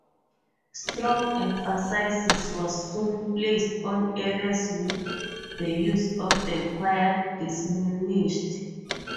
Strong emphasis was soon placed on arias while the use of the choir diminished.